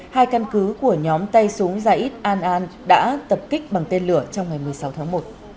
hai căn cứ của nhóm tay súng ja ít an an đã tập kích bằng tên lửa trong ngày một mươi sáu tháng một